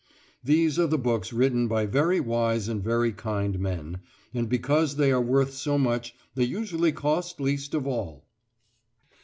These are the books written by very wise and very kind men, and because they are worth so much they usually cost least of all!